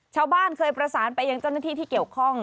ชาวบ้านเคยประสานไปยังเจ้าหน้าที่ที่เกี่ยวข้อง